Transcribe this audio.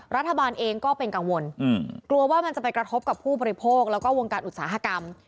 รัฐบาลเองก็เป็นกังวลกลัวว่ามันจะไปกระทบกับผู้บริโภคแล้วก็วงการอุตสาหกรรม